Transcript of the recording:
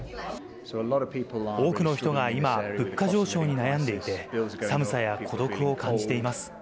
多くの人が今、物価上昇に悩んでいて、寒さや孤独を感じています。